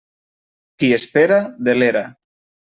Qui espera delera.